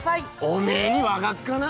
おめぇに分かっかな？